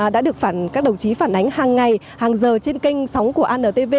đã được các đồng chí phản ánh hàng ngày hàng giờ trên kênh sóng của antv